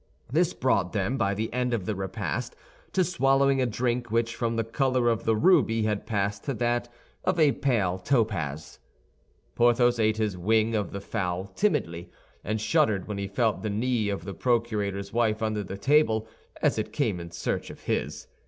This brought them, by the end of the repast, to swallowing a drink which from the color of the ruby had passed to that of a pale topaz. Porthos ate his wing of the fowl timidly, and shuddered when he felt the knee of the procurator's wife under the table, as it came in search of his.